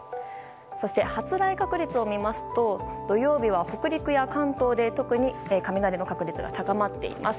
そして、発雷確率を見ますと土曜日は、北陸や関東で特に雷の確率が高まっています。